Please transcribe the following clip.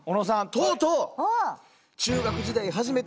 とうとう。